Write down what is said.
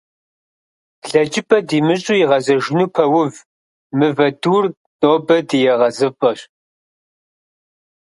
Блэкӏыпӏэ димыщӏу игъэзэжыну пэув, мывэ дур нобэ ди егъэзыпӏэщ.